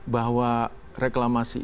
bahwa reklamasi itu